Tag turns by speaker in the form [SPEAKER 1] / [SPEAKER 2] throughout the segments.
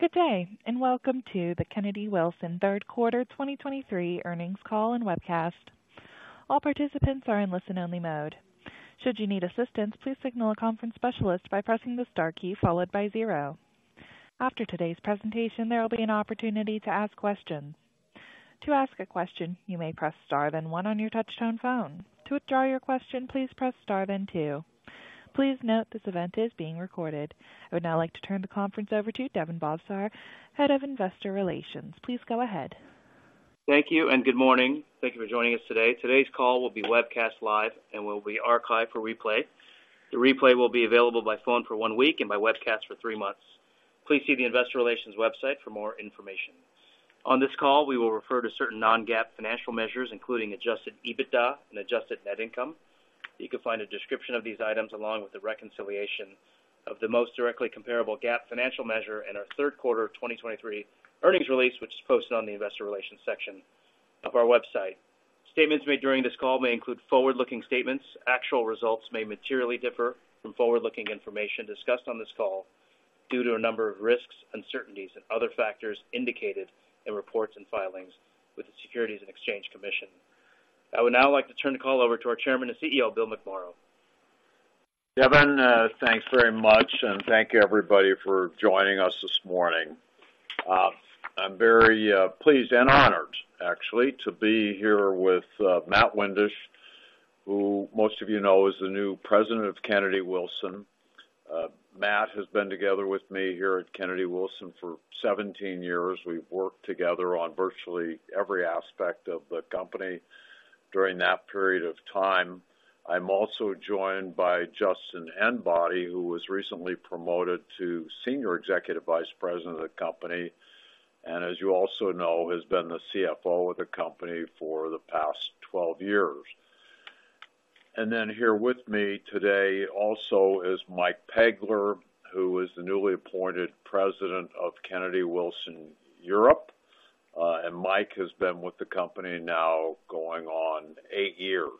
[SPEAKER 1] Good day, and welcome to the Kennedy Wilson Third Quarter 2023 Earnings Call and Webcast. All participants are in listen-only mode. Should you need assistance, please signal a conference specialist by pressing the star key, followed by zero. After today's presentation, there will be an opportunity to ask questions. To ask a question, you may press star, then one on your touchtone phone. To withdraw your question, please press star, then two. Please note, this event is being recorded. I would now like to turn the conference over to Daven Bhavsar, Head of Investor Relations. Please go ahead.
[SPEAKER 2] Thank you and good morning. Thank you for joining us today. Today's call will be webcast live and will be archived for replay. The replay will be available by phone for one week and by webcast for three months. Please see the investor relations website for more information. On this call, we will refer to certain non-GAAP financial measures, including Adjusted EBITDA and Adjusted Net Income. You can find a description of these items along with the reconciliation of the most directly comparable GAAP financial measure in our third quarter of 2023 earnings release, which is posted on the investor relations section of our website. Statements made during this call may include forward-looking statements. Actual results may materially differ from forward-looking information discussed on this call due to a number of risks, uncertainties, and other factors indicated in reports and filings with the Securities and Exchange Commission. I would now like to turn the call over to our Chairman and CEO, Bill McMorrow.
[SPEAKER 3] Daven, thanks very much, and thank you, everybody, for joining us this morning. I'm very pleased and honored, actually, to be here with Matt Windisch, who most of you know is the new president of Kennedy Wilson. Matt has been together with me here at Kennedy Wilson for 17 years. We've worked together on virtually every aspect of the company during that period of time. I'm also joined by Justin Enbody, who was recently promoted to Senior Executive Vice President of the company, and as you also know, has been the CFO of the company for the past 12 years. And then here with me today also is Mike Pegler, who is the newly appointed President of Kennedy Wilson Europe. And Mike has been with the company now going on eight years.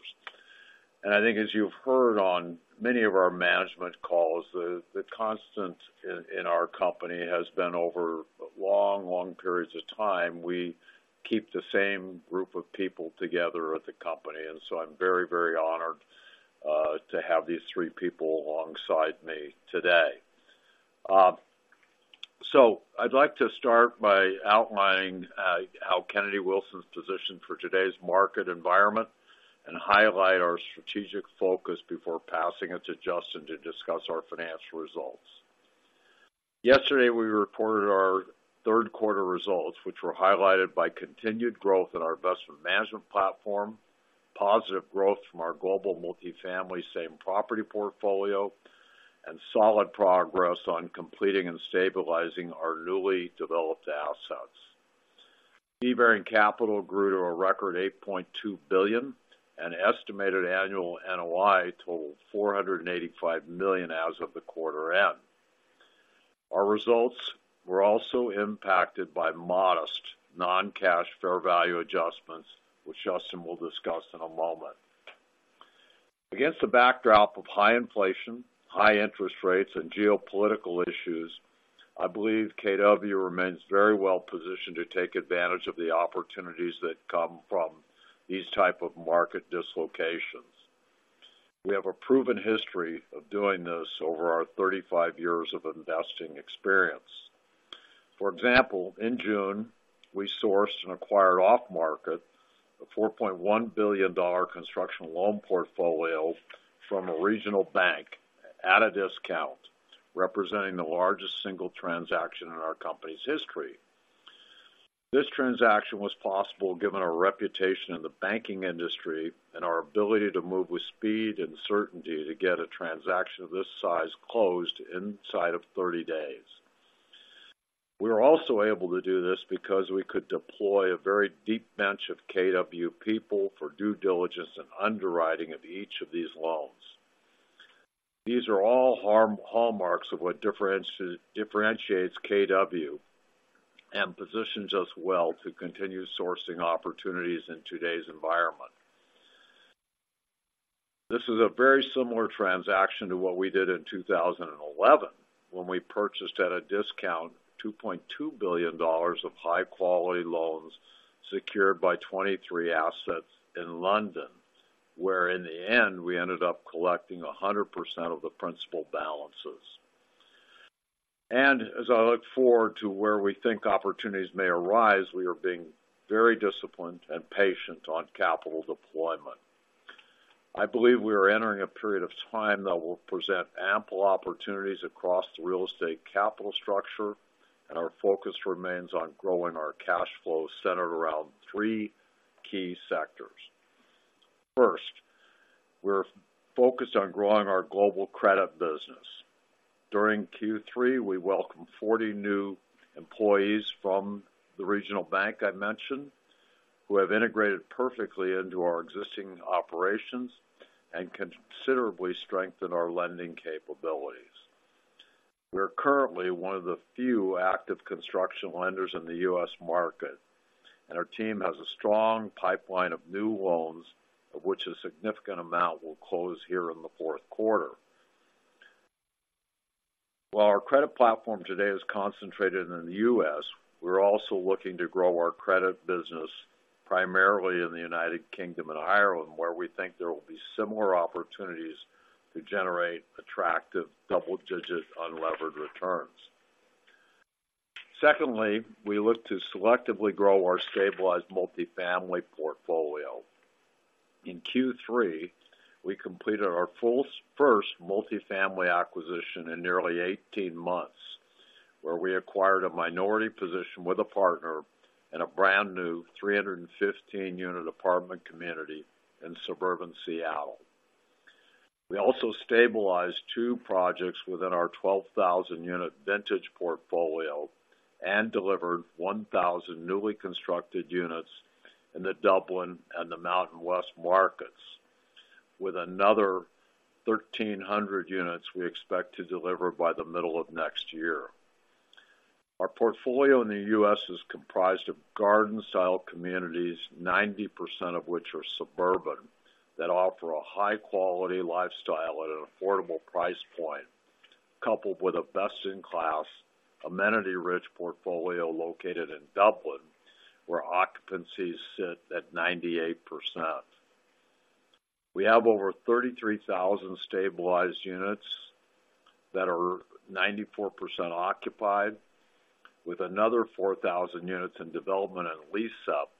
[SPEAKER 3] I think as you've heard on many of our management calls, the constant in our company has been over long, long periods of time, we keep the same group of people together at the company, and so I'm very, very honored to have these three people alongside me today. So I'd like to start by outlining how Kennedy Wilson's positioned for today's market environment and highlight our strategic focus before passing it to Justin to discuss our financial results. Yesterday, we reported our third quarter results, which were highlighted by continued growth in our investment management platform, positive growth from our global multifamily same-property portfolio, and solid progress on completing and stabilizing our newly developed assets. Fee-bearing capital grew to a record $8.2 billion, an estimated annual NOI totaled $485 million as of the quarter end. Our results were also impacted by modest non-cash fair value adjustments, which Justin will discuss in a moment. Against a backdrop of high inflation, high interest rates, and geopolitical issues, I believe KW remains very well positioned to take advantage of the opportunities that come from these type of market dislocations. We have a proven history of doing this over our 35 years of investing experience. For example, in June, we sourced and acquired off-market, a $4.1 billion construction loan portfolio from a regional bank at a discount, representing the largest single transaction in our company's history. This transaction was possible given our reputation in the banking industry and our ability to move with speed and certainty to get a transaction of this size closed inside of 30 days. We were also able to do this because we could deploy a very deep bench of KW people for due diligence and underwriting of each of these loans. These are all hallmarks of what differentiates KW and positions us well to continue sourcing opportunities in today's environment. This is a very similar transaction to what we did in 2011, when we purchased, at a discount, $2.2 billion of high-quality loans secured by 23 assets in London, where in the end, we ended up collecting 100% of the principal balances. And as I look forward to where we think opportunities may arise, we are being very disciplined and patient on capital deployment. I believe we are entering a period of time that will present ample opportunities across the real estate capital structure, and our focus remains on growing our cash flows centered around three key sectors. First, we're focused on growing our global credit business. During Q3, we welcomed 40 new employees from the regional bank I mentioned, who have integrated perfectly into our existing operations and considerably strengthened our lending capabilities. We are currently one of the few active construction lenders in the U.S. market, and our team has a strong pipeline of new loans, of which a significant amount will close here in the fourth quarter. While our credit platform today is concentrated in the U.S., we're also looking to grow our credit business primarily in the United Kingdom and Ireland, where we think there will be similar opportunities to generate attractive double-digit unlevered returns. Secondly, we look to selectively grow our stabilized multifamily portfolio. In Q3, we completed our first multifamily acquisition in nearly 18 months, where we acquired a minority position with a partner in a brand-new 315-unit apartment community in suburban Seattle. We also stabilized two projects within our 12,000-unit Vintage portfolio and delivered 1,000 newly constructed units in the Dublin and the Mountain West markets, with another 1,300 units we expect to deliver by the middle of next year. Our portfolio in the U.S. is comprised of garden-style communities, 90% of which are suburban, that offer a high-quality lifestyle at an affordable price point, coupled with a best-in-class, amenity-rich portfolio located in Dublin, where occupancies sit at 98%. We have over 33,000 stabilized units that are 94% occupied, with another 4,000 units in development and lease up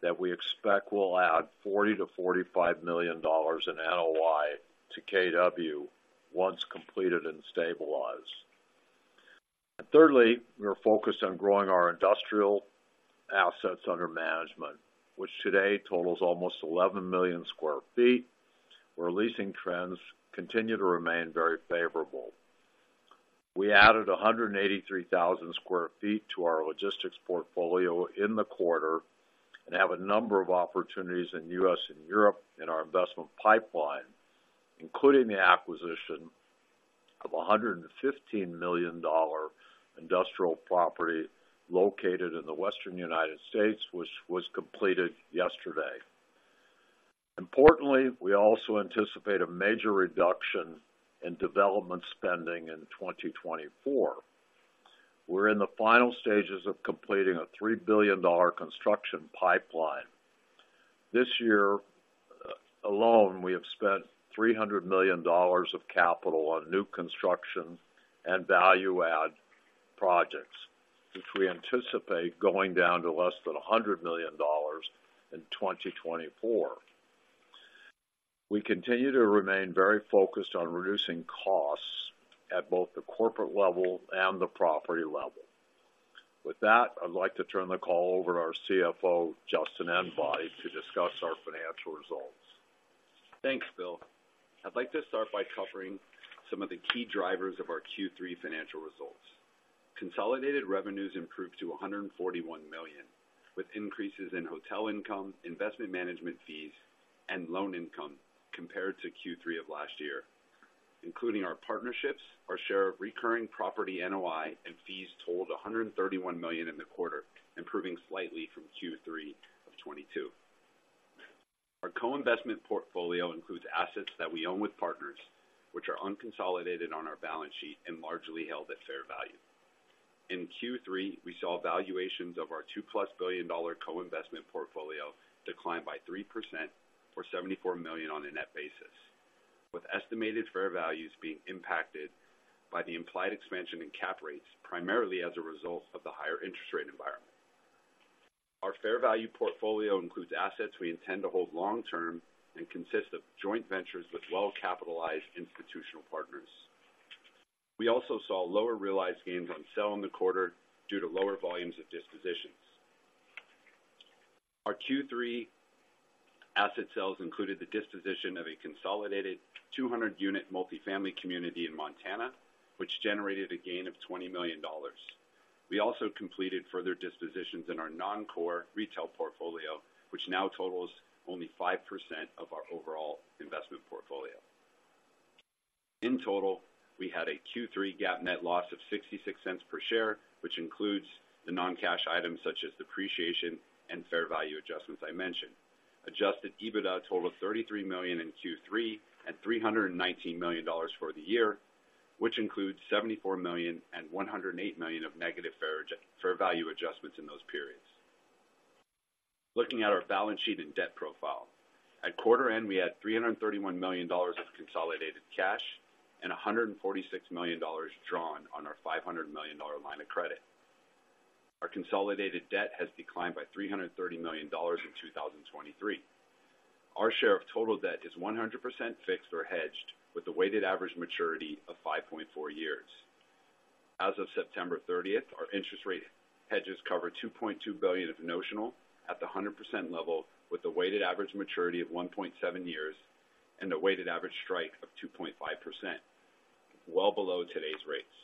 [SPEAKER 3] that we expect will add $40 million-$45 million in NOI to KW once completed and stabilized. And thirdly, we are focused on growing our industrial assets under management, which today totals almost 11 million sq ft, where leasing trends continue to remain very favorable. We added 183,000 sq ft to our logistics portfolio in the quarter and have a number of opportunities in U.S. and Europe in our investment pipeline, including the acquisition of a $115 million industrial property located in the Western United States, which was completed yesterday. Importantly, we also anticipate a major reduction in development spending in 2024. We're in the final stages of completing a $3 billion construction pipeline. This year alone, we have spent $300 million of capital on new construction and value add projects, which we anticipate going down to less than $100 million in 2024. We continue to remain very focused on reducing costs at both the corporate level and the property level. With that, I'd like to turn the call over to our CFO, Justin Enbody, to discuss our financial results.
[SPEAKER 4] Thanks, Bill. I'd like to start by covering some of the key drivers of our Q3 financial results. Consolidated revenues improved to $141 million, with increases in hotel income, investment management fees, and loan income compared to Q3 of last year. Including our partnerships, our share of recurring property NOI and fees totaled $131 million in the quarter, improving slightly from Q3 of 2022. Our co-investment portfolio includes assets that we own with partners which are unconsolidated on our balance sheet and largely held at fair value. In Q3, we saw valuations of our $2+ billion co-investment portfolio decline by 3%, or $74 million on a net basis, with estimated fair values being impacted by the implied expansion in cap rates, primarily as a result of the higher interest rate environment. Our fair value portfolio includes assets we intend to hold long term and consist of joint ventures with well-capitalized institutional partners. We also saw lower realized gains on sale in the quarter due to lower volumes of dispositions. Our Q3 asset sales included the disposition of a consolidated 200-unit multifamily community in Montana, which generated a gain of $20 million. We also completed further dispositions in our non-core retail portfolio, which now totals only 5% of our overall investment portfolio. In total, we had a Q3 GAAP net loss of $0.66 per share, which includes the non-cash items such as depreciation and fair value adjustments I mentioned. Adjusted EBITDA totaled $33 million in Q3 and $319 million for the year, which includes $74 million and $108 million of negative fair value adjustments in those periods. Looking at our balance sheet and debt profile. At quarter end, we had $331 million of consolidated cash and $146 million drawn on our $500 million line of credit. Our consolidated debt has declined by $330 million in 2023. Our share of total debt is 100% fixed or hedged, with a weighted average maturity of 5.4 years. As of September 30, our interest rate hedges cover $2.2 billion of notional at the 100% level, with a weighted average maturity of 1.7 years and a weighted average strike of 2.5%, well below today's rates.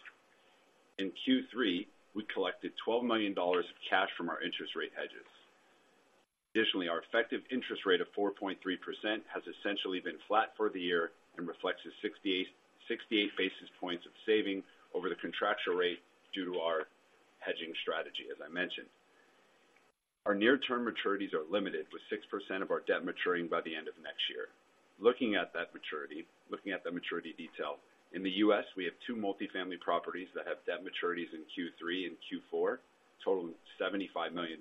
[SPEAKER 4] In Q3, we collected $12 million of cash from our interest rate hedges. Additionally, our effective interest rate of 4.3% has essentially been flat for the year and reflects a 68, 68 basis points of saving over the contractual rate due to our hedging strategy, as I mentioned. Our near-term maturities are limited, with 6% of our debt maturing by the end of next year. Looking at that maturity, looking at the maturity detail, in the U.S., we have two multifamily properties that have debt maturities in Q3 and Q4, totaling $75 million,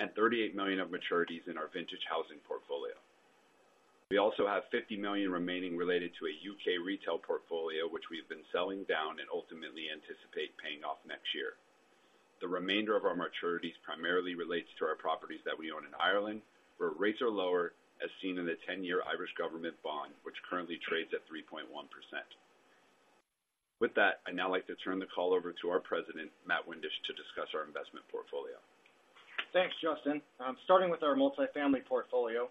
[SPEAKER 4] and $38 million of maturities in our Vintage Housing portfolio. We also have $50 million remaining related to a U.K. retail portfolio, which we've been selling down and ultimately anticipate paying off next year. The remainder of our maturities primarily relates to our properties that we own in Ireland, where rates are lower, as seen in the ten-year Irish government bond, which currently trades at 3.1%. With that, I'd now like to turn the call over to our president, Matt Windisch, to discuss our investment portfolio.
[SPEAKER 5] Thanks, Justin. Starting with our multifamily portfolio,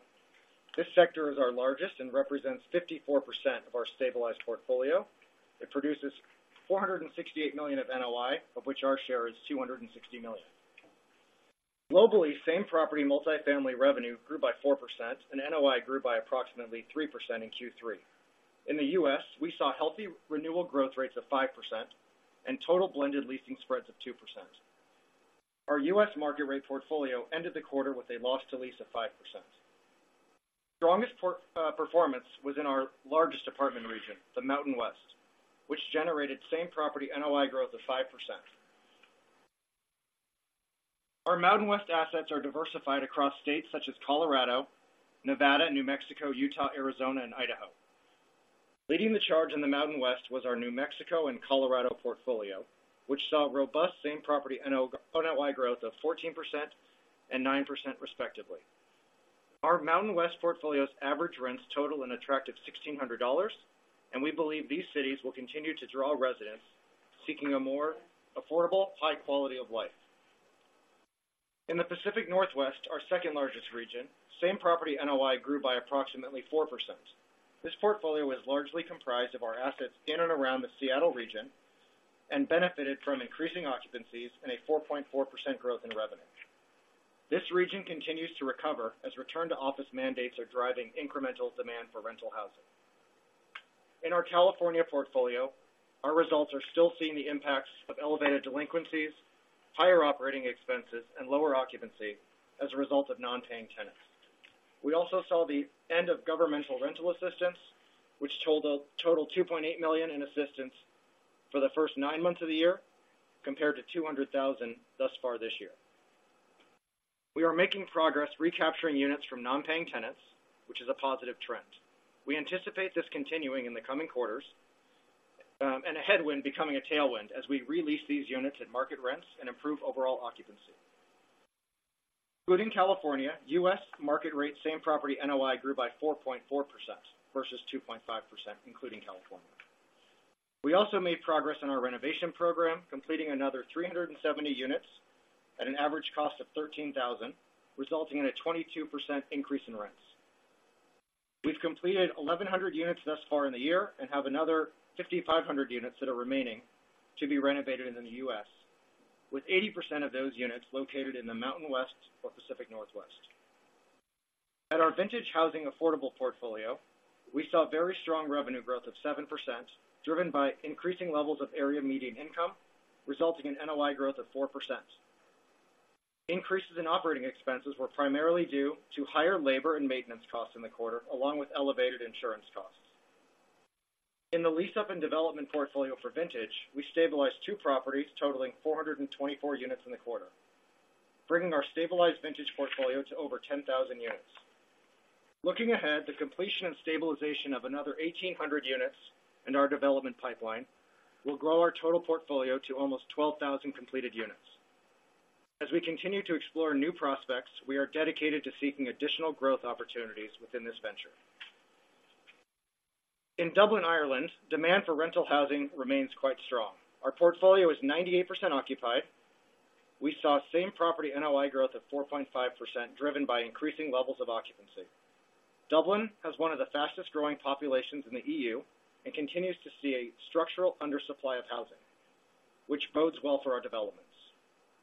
[SPEAKER 5] this sector is our largest and represents 54% of our stabilized portfolio. It produces $468 million of NOI, of which our share is $260 million. Globally, same-property multifamily revenue grew by 4% and NOI grew by approximately 3% in Q3. In the U.S., we saw healthy renewal growth rates of 5% and total blended leasing spreads of 2%. Our U.S. market rate portfolio ended the quarter with a loss to lease of 5%. Strongest performance was in our largest apartment region, the Mountain West, which generated same-property NOI growth of 5%. Our Mountain West assets are diversified across states such as Colorado, Nevada, New Mexico, Utah, Arizona, and Idaho. Leading the charge in the Mountain West was our New Mexico and Colorado portfolio, which saw robust same-property NOI growth of 14% and 9% respectively. Our Mountain West portfolio's average rents total an attractive $1,600, and we believe these cities will continue to draw residents seeking a more affordable, high quality of life. In the Pacific Northwest, our second-largest region, Same-Property NOI grew by approximately 4%. This portfolio is largely comprised of our assets in and around the Seattle region, and benefited from increasing occupancies and a 4.4% growth in revenue. This region continues to recover as return-to-office mandates are driving incremental demand for rental housing. In our California portfolio, our results are still seeing the impacts of elevated delinquencies, higher operating expenses, and lower occupancy as a result of non-paying tenants. We also saw the end of governmental rental assistance, which totaled $2.8 million in assistance for the first nine months of the year, compared to $200,000 thus far this year. We are making progress recapturing units from non-paying tenants, which is a positive trend. We anticipate this continuing in the coming quarters, and a headwind becoming a tailwind as we re-lease these units at market rents and improve overall occupancy. Including California, U.S. market rate same-property NOI grew by 4.4% versus 2.5%, including California. We also made progress on our renovation program, completing another 370 units at an average cost of $13,000, resulting in a 22% increase in rents. We've completed 1,100 units thus far in the year and have another 5,500 units that are remaining to be renovated in the U.S., with 80% of those units located in the Mountain West or Pacific Northwest. At our Vintage Housing affordable portfolio, we saw very strong revenue growth of 7%, driven by increasing levels of area median income, resulting in NOI growth of 4%. Increases in operating expenses were primarily due to higher labor and maintenance costs in the quarter, along with elevated insurance costs. In the lease-up and development portfolio for Vintage, we stabilized two properties totaling 424 units in the quarter, bringing our stabilized Vintage portfolio to over 10,000 units. Looking ahead, the completion and stabilization of another 1,800 units in our development pipeline will grow our total portfolio to almost 12,000 completed units. As we continue to explore new prospects, we are dedicated to seeking additional growth opportunities within this venture. In Dublin, Ireland, demand for rental housing remains quite strong. Our portfolio is 98% occupied. We saw same-property NOI growth of 4.5%, driven by increasing levels of occupancy. Dublin has one of the fastest-growing populations in the EU and continues to see a structural undersupply of housing, which bodes well for our developments.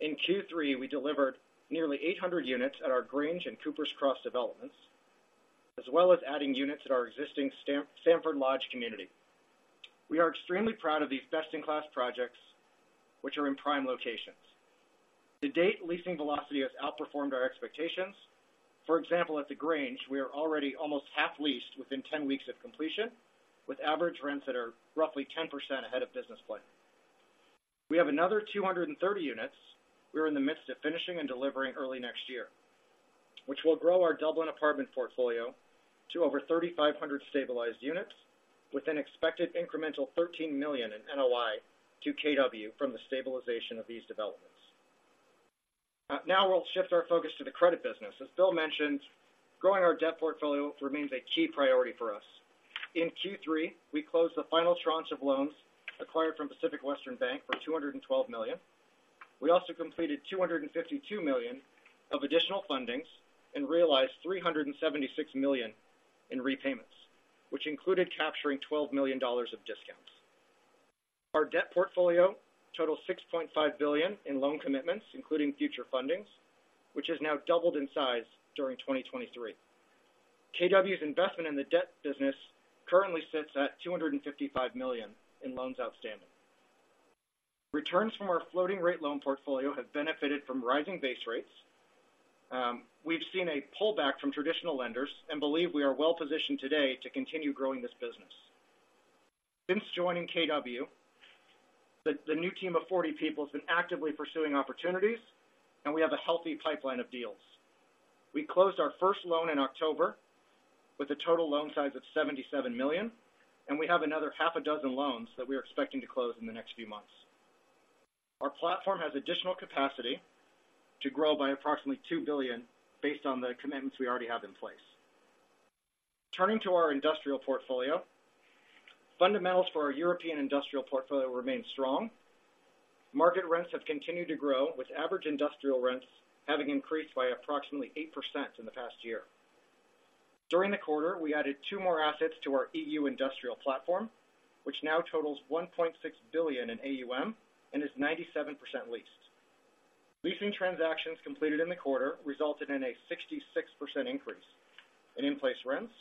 [SPEAKER 5] In Q3, we delivered nearly 800 units at our Grange and Coopers Cross developments, as well as adding units at our existing Stanford Lodge community. We are extremely proud of these best-in-class projects, which are in prime locations. To date, leasing velocity has outperformed our expectations. For example, at the Grange, we are already almost half leased within 10 weeks of completion, with average rents that are roughly 10% ahead of business plan. We have another 230 units we're in the midst of finishing and delivering early next year, which will grow our Dublin apartment portfolio to over 3,500 stabilized units with an expected incremental $13 million in NOI to KW from the stabilization of these developments. Now we'll shift our focus to the credit business. As Bill mentioned, growing our debt portfolio remains a key priority for us. In Q3, we closed the final tranche of loans acquired from Pacific Western Bank for $212 million. We also completed $252 million of additional fundings and realized $376 million in repayments, which included capturing $12 million of discount. Our debt portfolio totals $6.5 billion in loan commitments, including future fundings, which has now doubled in size during 2023. KW's investment in the debt business currently sits at $255 million in loans outstanding. Returns from our floating rate loan portfolio have benefited from rising base rates. We've seen a pullback from traditional lenders and believe we are well positioned today to continue growing this business. Since joining KW, the new team of 40 people has been actively pursuing opportunities, and we have a healthy pipeline of deals. We closed our first loan in October with a total loan size of $77 million, and we have another six loans that we are expecting to close in the next few months. Our platform has additional capacity to grow by approximately $2 billion, based on the commitments we already have in place. Turning to our industrial portfolio. Fundamentals for our European industrial portfolio remain strong. Market rents have continued to grow, with average industrial rents having increased by approximately 8% in the past year. During the quarter, we added two more assets to our EU industrial platform, which now totals $1.6 billion in AUM and is 97% leased. Leasing transactions completed in the quarter resulted in a 66% increase in in-place rents,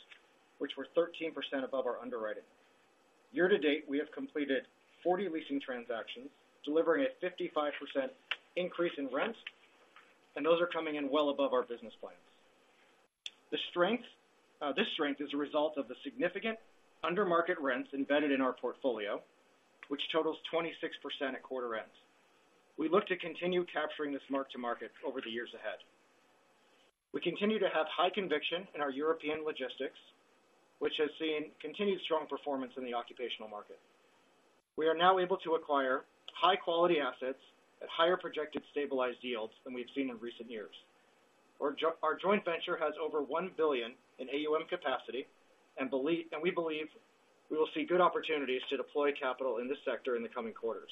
[SPEAKER 5] which were 13% above our underwriting. Year-to-date, we have completed 40 leasing transactions, delivering a 55% increase in rents, and those are coming in well above our business plans. The strength, this strength is a result of the significant under-market rents embedded in our portfolio, which totals 26% at quarter end. We look to continue capturing this mark-to-market over the years ahead. We continue to have high conviction in our European logistics, which has seen continued strong performance in the occupancy market. We are now able to acquire high-quality assets at higher projected stabilized yields than we've seen in recent years. Our joint venture has over $1 billion in AUM capacity and we believe we will see good opportunities to deploy capital in this sector in the coming quarters.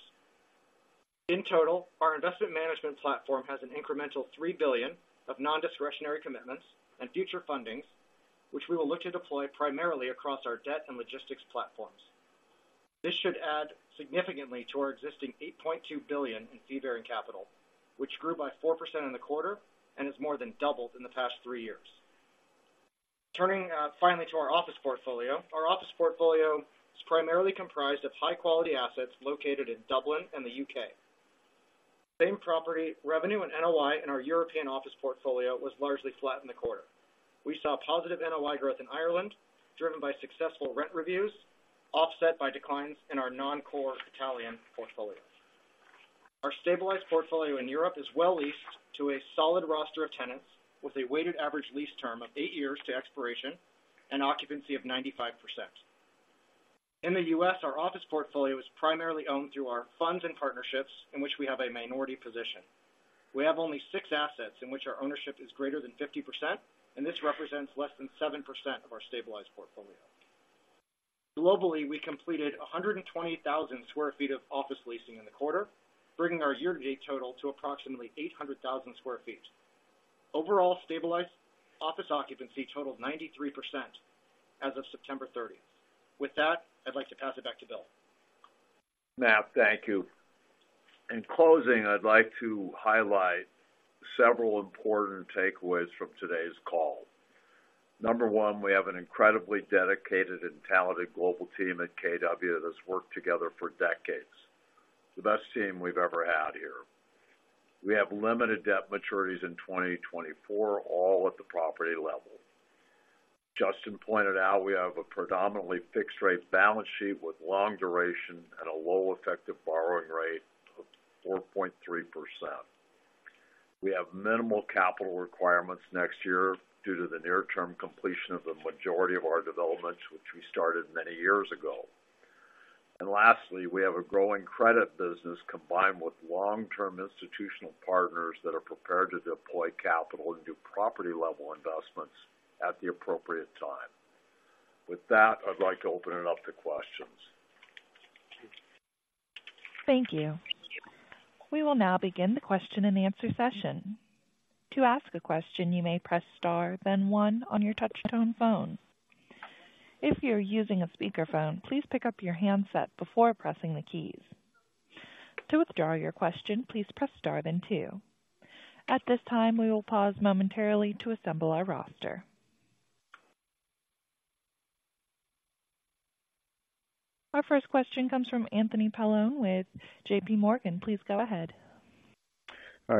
[SPEAKER 5] In total, our investment management platform has an incremental $3 billion of non-discretionary commitments and future fundings, which we will look to deploy primarily across our debt and logistics platforms. This should add significantly to our existing $8.2 billion in fee-bearing capital, which grew by 4% in the quarter and has more than doubled in the past three years. Turning, finally to our office portfolio. Our office portfolio is primarily comprised of high-quality assets located in Dublin and the U.K. Same-property revenue and NOI in our European office portfolio was largely flat in the quarter. We saw positive NOI growth in Ireland, driven by successful rent reviews, offset by declines in our non-core Italian portfolios. Our stabilized portfolio in Europe is well leased to a solid roster of tenants, with a weighted average lease term of eight years to expiration and occupancy of 95%. In the US, our office portfolio is primarily owned through our funds and partnerships, in which we have a minority position. We have only 6 assets in which our ownership is greater than 50%, and this represents less than 7% of our stabilized portfolio. Globally, we completed 120,000 sq ft of office leasing in the quarter, bringing our year-to-date total to approximately 800,000 sq ft. Overall, stabilized office occupancy totaled 93% as of September 30. With that, I'd like to pass it back to Bill.
[SPEAKER 3] Matt, thank you. In closing, I'd like to highlight several important takeaways from today's call. Number 1, we have an incredibly dedicated and talented global team at KW that's worked together for decades, the best team we've ever had here. We have limited debt maturities in 2024, all at the property level. Justin pointed out we have a predominantly fixed-rate balance sheet with long duration and a low effective borrowing rate of 4.3%. We have minimal capital requirements next year due to the near-term completion of the majority of our developments, which we started many years ago. And lastly, we have a growing credit business combined with long-term institutional partners that are prepared to deploy capital and do property-level investments at the appropriate time. With that, I'd like to open it up to questions.
[SPEAKER 1] Thank you. We will now begin the question-and-answer session. To ask a question, you may press star, then one on your touchtone phone. If you're using a speakerphone, please pick up your handset before pressing the keys. To withdraw your question, please press star then two. At this time, we will pause momentarily to assemble our roster. Our first question comes from Anthony Paolone with JPMorgan. Please go ahead.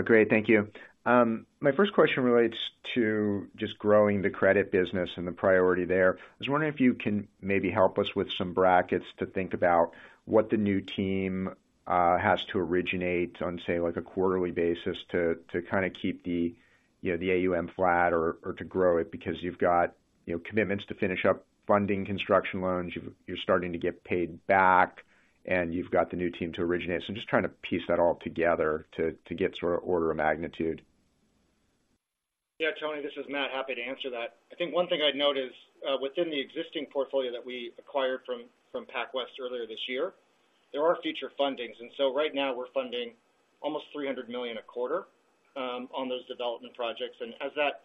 [SPEAKER 6] Great, thank you. My first question relates to just growing the credit business and the priority there. I was wondering if you can maybe help us with some brackets to think about what the new team has to originate on, say, like a quarterly basis, to kind of keep the, you know, the AUM flat or to grow it. Because you've got, you know, commitments to finish up funding construction loans. You're starting to get paid back, and you've got the new team to originate. So I'm just trying to piece that all together to get sort of order of magnitude.
[SPEAKER 5] Yeah, Tony, this is Matt. Happy to answer that. I think one thing I'd note is within the existing portfolio that we acquired from PacWest earlier this year, there are future fundings, and so right now we're funding almost $300 million a quarter on those development projects. And as that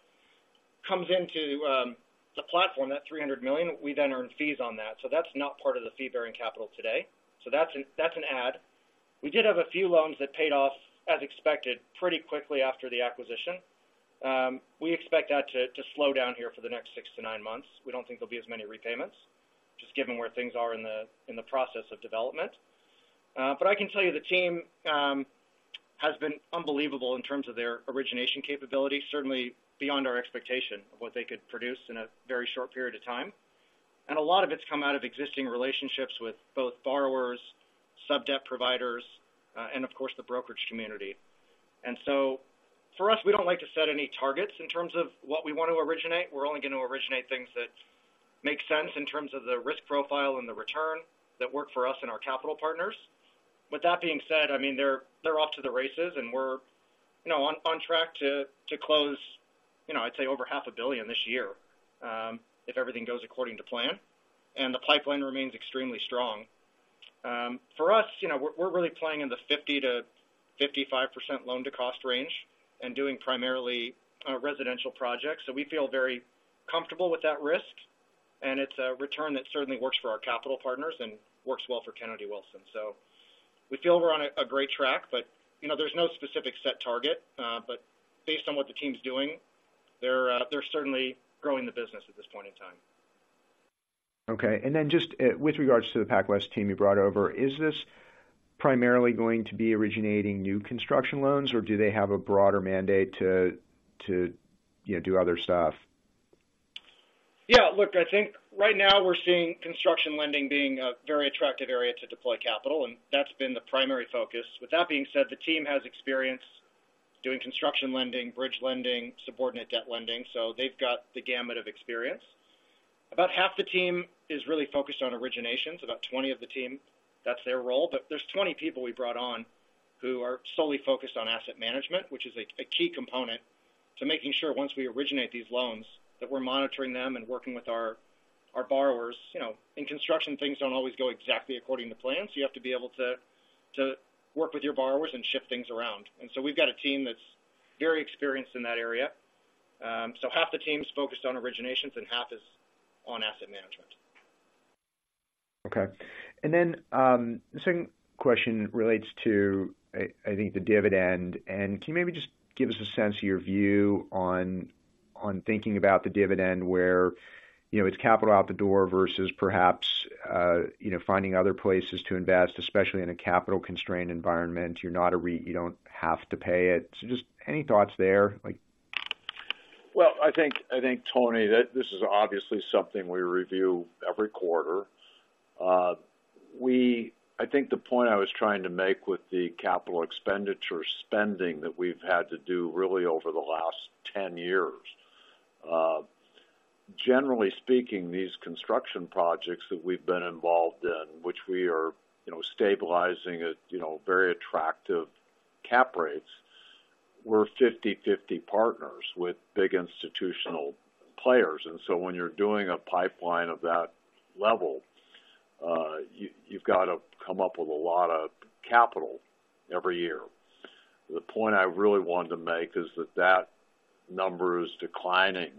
[SPEAKER 5] comes into the platform, that $300 million, we then earn fees on that. So that's not part of the fee-bearing capital today. So that's an add. We did have a few loans that paid off, as expected, pretty quickly after the acquisition. We expect that to slow down here for the next 6-9 months. We don't think there'll be as many repayments, just given where things are in the process of development. But I can tell you the team has been unbelievable in terms of their origination capability, certainly beyond our expectation of what they could produce in a very short period of time. And a lot of it's come out of existing relationships with both borrowers, sub-debt providers, and of course, the brokerage community. And so for us, we don't like to set any targets in terms of what we want to originate. We're only going to originate things that make sense in terms of the risk profile and the return that work for us and our capital partners. With that being said, I mean, they're, they're off to the races, and we're, you know, on, on track to, to close, you know, I'd say over $500 million this year, if everything goes according to plan, and the pipeline remains extremely strong. For us, you know, we're really playing in the 50%-55% loan-to-cost range and doing primarily residential projects. So we feel very comfortable with that risk, and it's a return that certainly works for our capital partners and works well for Kennedy Wilson. So we feel we're on a great track, but, you know, there's no specific set target. But based on what the team's doing, they're certainly growing the business at this point in time.
[SPEAKER 6] Okay. And then just, with regards to the PacWest team you brought over, is this primarily going to be originating new construction loans, or do they have a broader mandate to you know, do other stuff?
[SPEAKER 5] Yeah, look, I think right now we're seeing construction lending being a very attractive area to deploy capital, and that's been the primary focus. With that being said, the team has experience doing construction lending, bridge lending, subordinate debt lending, so they've got the gamut of experience. About half the team is really focused on originations. About 20 of the team, that's their role. But there's 20 people we brought on who are solely focused on asset management, which is a key component to making sure once we originate these loans, that we're monitoring them and working with our borrowers. You know, in construction, things don't always go exactly according to plan, so you have to be able to work with your borrowers and shift things around. And so we've got a team that's very experienced in that area. Half the team is focused on originations and half is on asset management.
[SPEAKER 6] Okay. And then, the second question relates to, I think, the dividend. And can you maybe just give us a sense of your view on thinking about the dividend where, you know, it's capital out the door versus perhaps, you know, finding other places to invest, especially in a capital-constrained environment. You're not a REIT, you don't have to pay it. So just any thoughts there, like?
[SPEAKER 3] Well, I think, I think, Tony, that this is obviously something we review every quarter. We, I think the point I was trying to make with the capital expenditure spending that we've had to do really over the last 10 years, generally speaking, these construction projects that we've been involved in, which we are, you know, stabilizing at, you know, very attractive cap rates, we're 50/50 partners with big institutional players. And so when you're doing a pipeline of that level, you, you've got to come up with a lot of capital every year. The point I really wanted to make is that that number is declining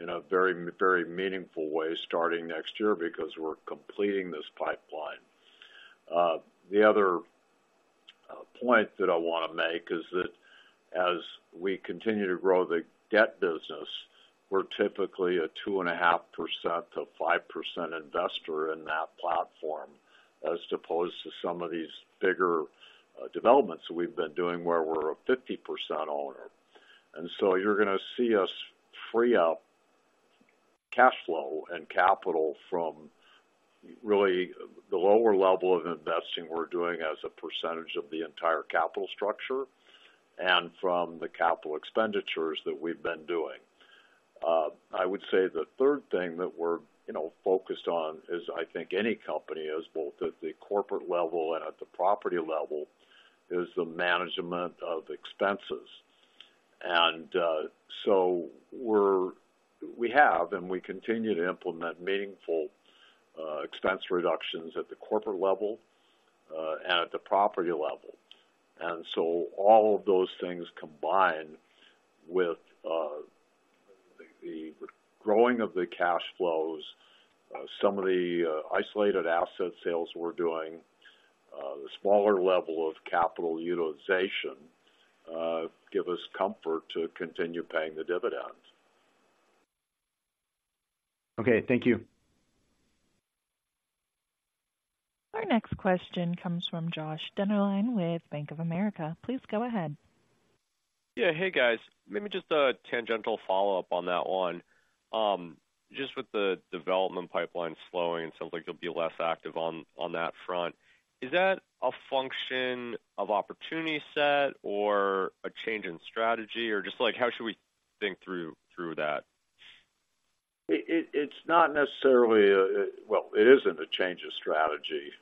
[SPEAKER 3] in a very, very meaningful way starting next year because we're completing this pipeline. The other point that I want to make is that as we continue to grow the debt business, we're typically a 2.5%-5% investor in that platform, as opposed to some of these bigger developments that we've been doing, where we're a 50% owner. And so you're going to see us free up cash flow and capital from really the lower level of investing we're doing as a percentage of the entire capital structure and from the capital expenditures that we've been doing. I would say the third thing that we're, you know, focused on is, I think, any company is, both at the corporate level and at the property level, is the management of expenses. So we have, and we continue to implement meaningful expense reductions at the corporate level, and at the property level. So all of those things combined with the growing of the cash flows, some of the isolated asset sales we're doing, the smaller level of capital utilization give us comfort to continue paying the dividend.
[SPEAKER 6] Okay, thank you.
[SPEAKER 1] Our next question comes from Josh Dennerlein with Bank of America. Please go ahead.
[SPEAKER 7] Yeah. Hey, guys. Maybe just a tangential follow-up on that one. Just with the development pipeline slowing, it sounds like you'll be less active on that front. Is that a function of opportunity set or a change in strategy? Or just like, how should we think through that?
[SPEAKER 3] It's not necessarily a— Well, it isn't a change of strategy.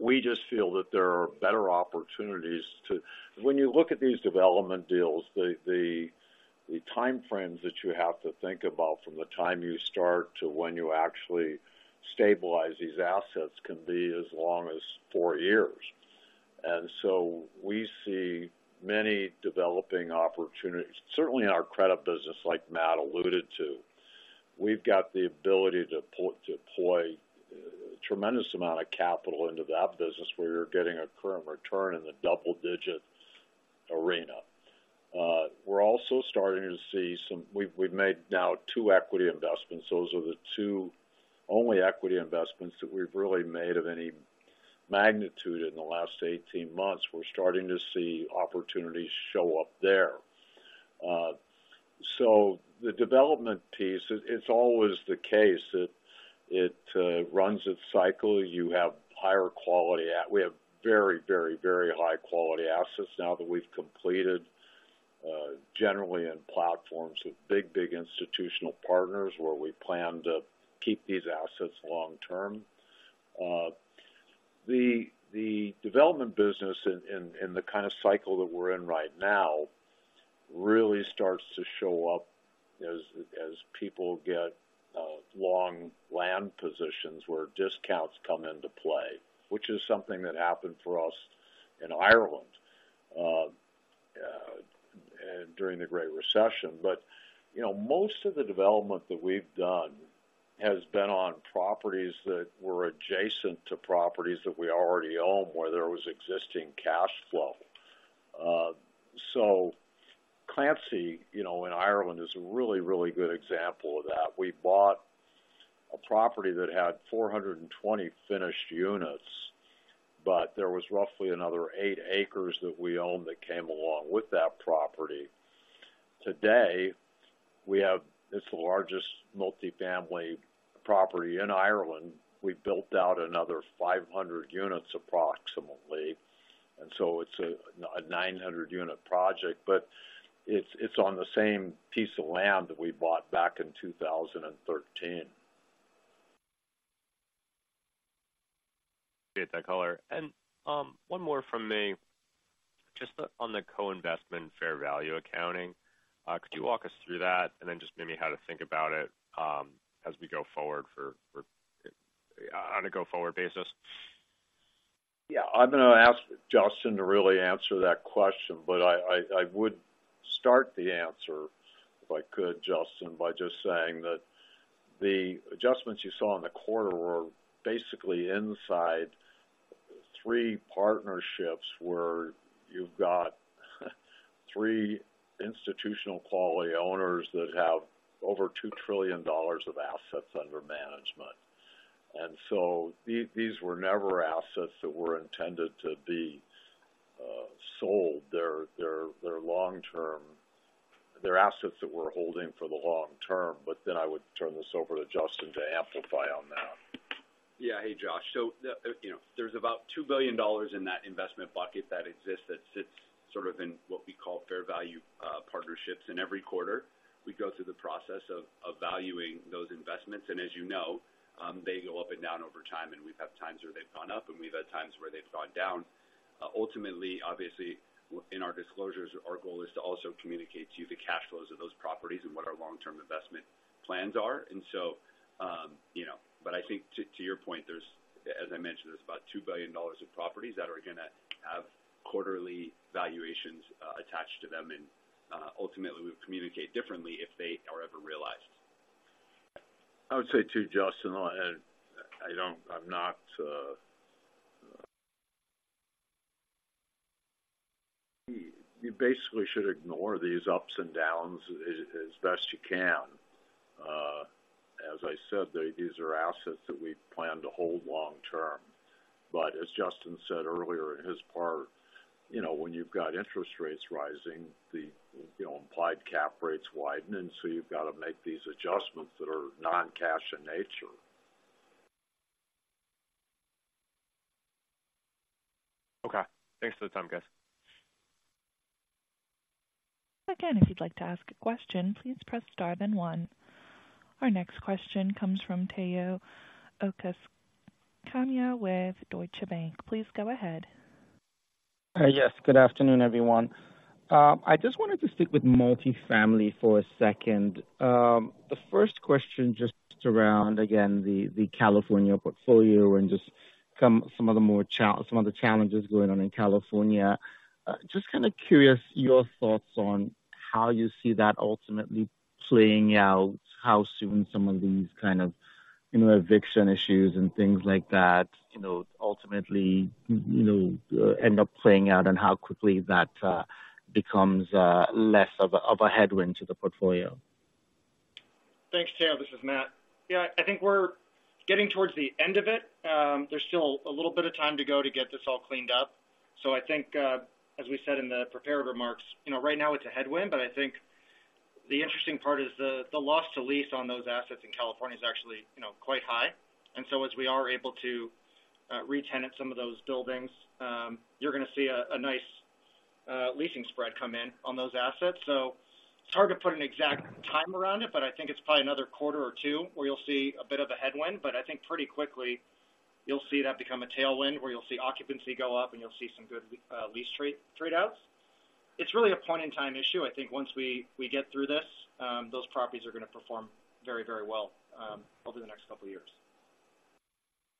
[SPEAKER 3] We just feel that there are better opportunities to— When you look at these development deals, the time frames that you have to think about from the time you start to when you actually stabilize these assets can be as long as four years. And so we see many developing opportunities, certainly in our credit business, like Matt alluded to. We've got the ability to deploy tremendous amount of capital into that business, where you're getting a current return in the double-digit arena. We're also starting to see some— we've made now two equity investments. Those are the two only equity investments that we've really made of any magnitude in the last 18 months. We're starting to see opportunities show up there. So the development piece, it's always the case, runs its cycle. We have very, very, very high-quality assets now that we've completed, generally in platforms with big, big institutional partners, where we plan to keep these assets long term. The development business in the kind of cycle that we're in right now really starts to show up as people get long land positions where discounts come into play, which is something that happened for us in Ireland during the Great Recession. But, you know, most of the development that we've done has been on properties that were adjacent to properties that we already own, where there was existing cash flow. So Clancy, you know, in Ireland, is a really, really good example of that. We bought a property that had 420 finished units, but there was roughly another 8 acres that we own that came along with that property. Today, we have. It's the largest multifamily property in Ireland. We've built out another 500 units, approximately, and so it's a 900-unit project, but it's on the same piece of land that we bought back in 2013.
[SPEAKER 7] Appreciate that color. And one more from me. Just on the co-investment fair value accounting, could you walk us through that? And then just maybe how to think about it, as we go forward for on a go-forward basis.
[SPEAKER 3] Yeah, I'm going to ask Justin to really answer that question, but I would start the answer, if I could, Justin, by just saying that the adjustments you saw in the quarter were basically inside three partnerships, where you've got three institutional-quality owners that have over $2 trillion of assets under management. And so these were never assets that were intended to be sold. They're long term. They're assets that we're holding for the long term, but then I would turn this over to Justin to amplify on that.
[SPEAKER 4] Yeah. Hey, Josh. So, you know, there's about $2 billion in that investment bucket that exists, that sits sort of in what we call fair value partnerships. In every quarter, we go through the process of valuing those investments. And as you know, they go up and down over time, and we've had times where they've gone up, and we've had times where they've gone down. Ultimately, obviously, in our disclosures, our goal is to also communicate to you the cash flows of those properties and what our long-term investment plans are. And so, you know... But I think to your point, there's, as I mentioned, there's about $2 billion of properties that are going to have quarterly valuations attached to them, and ultimately, we'll communicate differently if they are ever realized.
[SPEAKER 3] I would say, too, Justin, and I don't -- I'm not... You basically should ignore these ups and downs as best you can. As I said, these are assets that we plan to hold long term. But as Justin said earlier in his part, you know, when you've got interest rates rising, the you know, implied cap rates widen, and so you've got to make these adjustments that are non-cash in nature.
[SPEAKER 7] Okay. Thanks for the time, guys.
[SPEAKER 1] Again, if you'd like to ask a question, please press star, then one. Our next question comes from Tayo Okusanya with Deutsche Bank. Please go ahead.
[SPEAKER 8] Yes, good afternoon, everyone. I just wanted to stick with multifamily for a second. The first question, just around, again, the California portfolio and just some of the challenges going on in California. Just kind of curious, your thoughts on how you see that ultimately playing out, how soon some of these kind of, you know, eviction issues and things like that, you know, ultimately, you know, end up playing out, and how quickly that becomes less of a headwind to the portfolio.
[SPEAKER 5] Thanks, Tayo. This is Matt. Yeah, I think we're getting towards the end of it. There's still a little bit of time to go to get this all cleaned up. So I think, as we said in the prepared remarks, you know, right now it's a headwind, but I think the interesting part is the Loss to Lease on those assets in California is actually, you know, quite high. And so as we are able to retenant some of those buildings, you're going to see a nice leasing spread come in on those assets. So it's hard to put an exact time around it, but I think it's probably another quarter or two where you'll see a bit of a headwind. But I think pretty quickly you'll see that become a tailwind, where you'll see occupancy go up, and you'll see some good lease trade-outs. It's really a point-in-time issue. I think once we get through this, those properties are gonna perform very, very well over the next couple of years.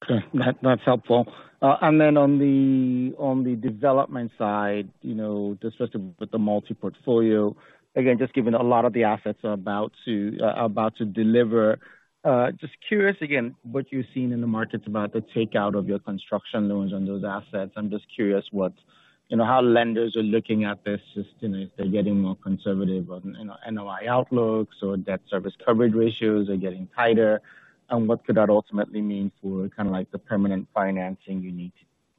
[SPEAKER 8] Okay, that, that's helpful. And then on the, on the development side, you know, just with the multifamily portfolio, again, just given a lot of the assets are about to, about to deliver, just curious again, what you've seen in the markets about the takeout of your construction loans on those assets. I'm just curious what, you know, how lenders are looking at this, just, you know, if they're getting more conservative on, you know, NOI outlooks or debt service coverage ratios are getting tighter, and what could that ultimately mean for kinda like the permanent financing you need,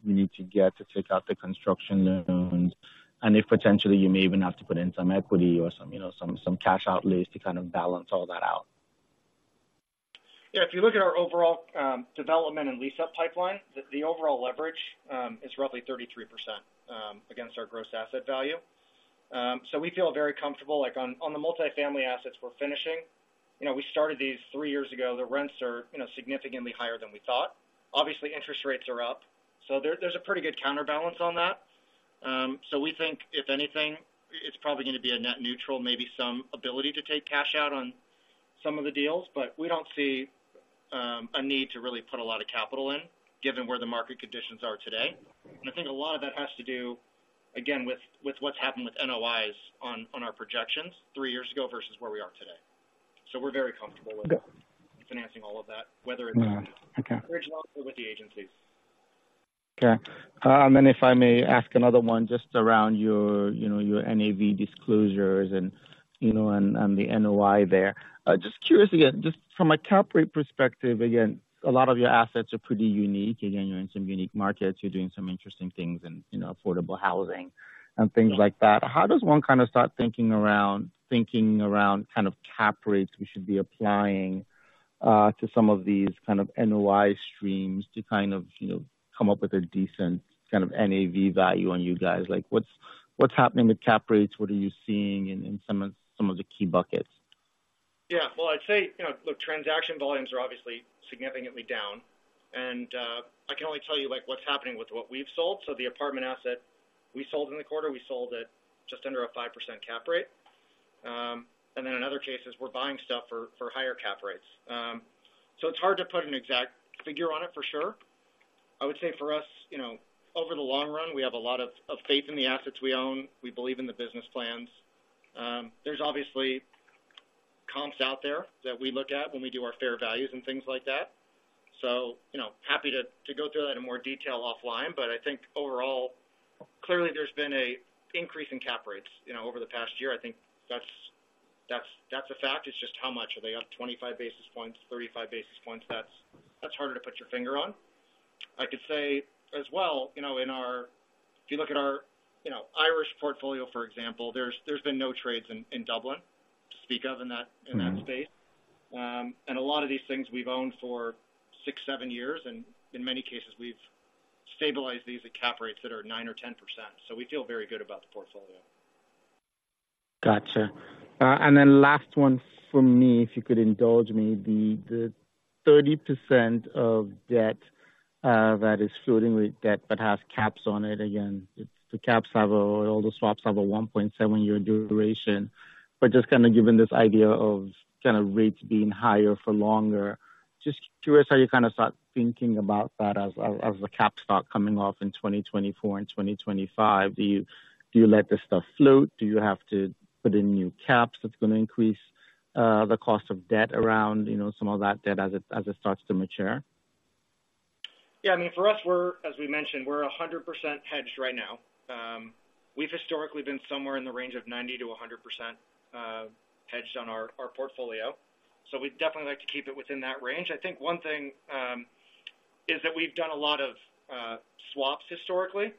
[SPEAKER 8] you need to get to take out the construction loans, and if potentially you may even have to put in some equity or some, you know, some, some cash outlays to kind of balance all that out.
[SPEAKER 5] Yeah, if you look at our overall development and lease-up pipeline, the overall leverage is roughly 33% against our gross asset value. So we feel very comfortable, like, on the multifamily assets we're finishing, you know, we started these three years ago. The rents are, you know, significantly higher than we thought. Obviously, interest rates are up, so there's a pretty good counterbalance on that. So we think if anything, it's probably gonna be a net neutral, maybe some ability to take cash out on some of the deals. But we don't see a need to really put a lot of capital in, given where the market conditions are today. And I think a lot of that has to do, again, with what's happened with NOIs on our projections three years ago versus where we are today. So we're very comfortable with-
[SPEAKER 8] Okay.
[SPEAKER 5] financing all of that, whether it's-
[SPEAKER 8] Uh-huh. Okay.
[SPEAKER 5] - originally or with the agencies.
[SPEAKER 8] Okay. And if I may ask another one, just around your, you know, your NAV disclosures and, you know, and the NOI there. Just curious again, just from a cap rate perspective, again, a lot of your assets are pretty unique. Again, you're in some unique markets. You're doing some interesting things in, you know, affordable housing and things like that. How does one kind of start thinking around, thinking around kind of cap rates we should be applying to some of these kind of NOI streams to kind of, you know, come up with a decent kind of NAV value on you guys? Like, what's happening with cap rates? What are you seeing in some of the key buckets?
[SPEAKER 5] Yeah. Well, I'd say, you know, look, transaction volumes are obviously significantly down, and I can only tell you, like, what's happening with what we've sold. So the apartment asset we sold in the quarter, we sold at just under a 5% cap rate. And then in other cases, we're buying stuff for higher cap rates. So it's hard to put an exact figure on it for sure. I would say for us, you know, over the long run, we have a lot of, of faith in the assets we own. We believe in the business plans. There's obviously comps out there that we look at when we do our fair values and things like that. So, you know, happy to go through that in more detail offline. But I think overall, clearly there's been an increase in cap rates, you know, over the past year. I think that's a fact. It's just how much are they up? 25 basis points, 35 basis points. That's harder to put your finger on. I could say as well, you know, if you look at our Irish portfolio, for example, there's been no trades in Dublin to speak of in that space.
[SPEAKER 8] Mm-hmm.
[SPEAKER 5] A lot of these things we've owned for six, seven years, and in many cases, we've stabilized these at cap rates that are nine or 10%. So we feel very good about the portfolio.
[SPEAKER 8] Gotcha. And then last one from me, if you could indulge me. The thirty percent of debt that is floating rate debt but has caps on it. Again, the caps have a... All the swaps have a 1.7-year duration. But just kinda given this idea of kinda rates being higher for longer, just curious how you kind of start thinking about that as the caps start coming off in 2024 and 2025. Do you let this stuff float? Do you have to put in new caps that's gonna increase the cost of debt around, you know, some of that debt as it starts to mature?
[SPEAKER 5] Yeah, I mean, for us, we're, as we mentioned, we're 100% hedged right now. We've historically been somewhere in the range of 90%-100%, hedged on our, our portfolio. So we'd definitely like to keep it within that range. I think one thing is that we've done a lot of, swaps historically,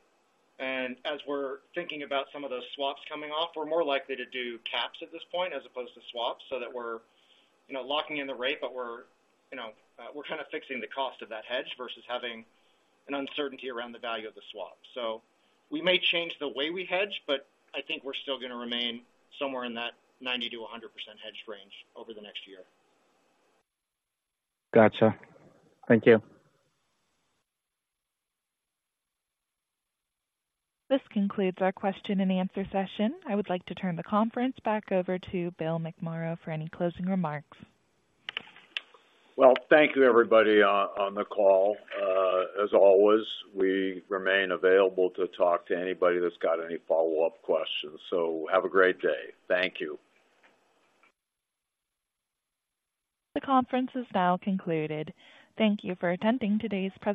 [SPEAKER 5] and as we're thinking about some of those swaps coming off, we're more likely to do caps at this point as opposed to swaps, so that we're, you know, locking in the rate. But we're, you know, we're kind of fixing the cost of that hedge versus having an uncertainty around the value of the swap. So we may change the way we hedge, but I think we're still gonna remain somewhere in that 90%-100% hedged range over the next year.
[SPEAKER 8] Gotcha. Thank you.
[SPEAKER 1] This concludes our question-and-answer session. I would like to turn the conference back over to Bill McMorrow for any closing remarks.
[SPEAKER 3] Well, thank you, everybody, on the call. As always, we remain available to talk to anybody that's got any follow-up questions. So have a great day. Thank you.
[SPEAKER 1] The conference is now concluded. Thank you for attending today's presentation.